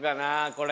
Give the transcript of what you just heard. これ。